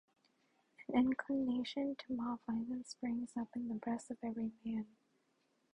An inclination to mob violence springs up in the breast of every man.